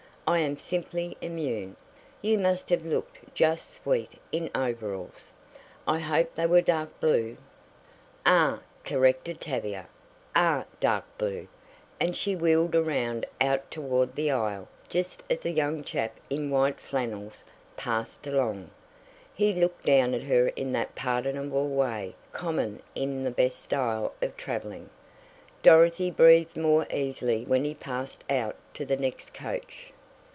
I am simply immune. You must have looked just sweet in overalls. I hope they were dark blue." "Are," corrected Tavia, "are dark blue," and she wheeled around out toward the aisle just as a young chap in white flannels passed along. He looked down at her in that pardonable way common even in the best style of traveling. Dorothy breathed more easily when he passed out to the next coach.